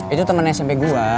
itu temen smp gua